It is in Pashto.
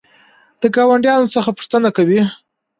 د ګاونډیانو څخه پوښتنه کوئ؟